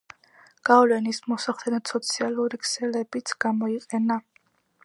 გავლენის მოსახდენად, სოციალური ქსელებიც გამოიყენა.